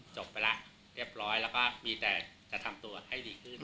จบไปแล้วเรียบร้อยแล้วก็มีแต่จะทำตัวให้ดีขึ้น